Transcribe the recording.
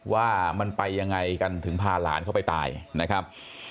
ว่ามันไปยังไงกันถึงพาหลานเข้าไปตายนะครับ